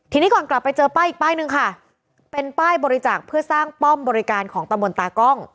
ทีนี้ก่อนกลับไปเจอป้ายอีกป้ายหนึ่งค่ะเป็นป้ายบริจาคเพื่อสร้างป้อมบริการของตะมนตากล้อง